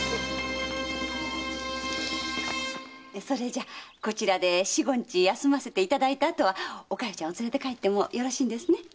それじゃこちらで四五日休ませていただいた後はお加代ちゃんを連れて帰ってもよろしいんですね？